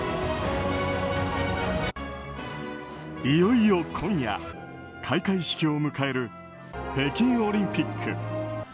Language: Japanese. いよいよ今夜開会式を迎える北京オリンピック。